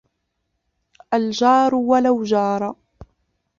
الجار ولو جار.